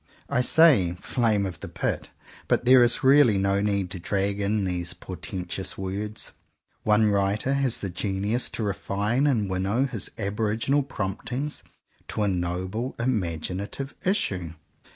I say "flame of the Pit;" but there is really no need to drag in these portentous words. One writer has the genius to refine and winnow his aboriginal promptings to a noble imaginative issue.